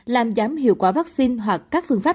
làm giảm hiệu quả vaccine hoặc các phương pháp